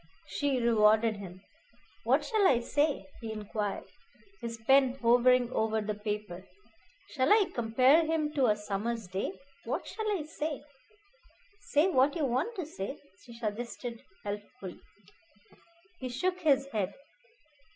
She rewarded him. "What shall I say?" he inquired, his pen hovering over the paper. "Shall I compare him to a summer's day? What shall I say?" "Say what you want to say," she suggested helpfully. He shook his head.